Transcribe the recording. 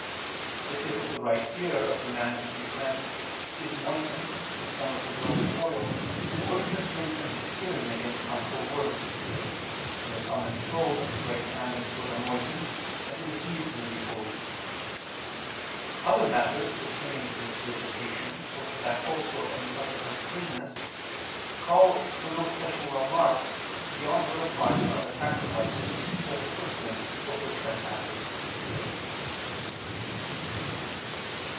The tip of the right ear of the man to be cleansed is moistened with some the blood and oil, in order to strengthen his hearing against harmful words; and the thumb and toe of his right hand and foot are moistened that his deeds may be holy. Other matters pertaining to this purification, or to that also of any other uncleannesses, call for no special remark, beyond what applies to other sacrifices, whether for sins or for trespasses.